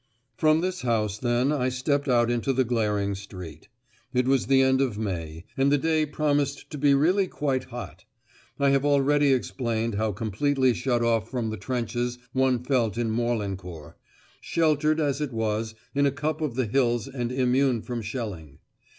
From this house, then, I stepped out into the glaring street. It was the end of May, and the day promised to be really quite hot. I have already explained how completely shut off from the trenches one felt in Morlancourt, sheltered as it was in a cup of the hills and immune from shelling.